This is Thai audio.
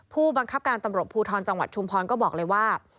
ผู้บังคับการตำรวจภูทรจังหวัดชุมพรก็บอกเลยว่า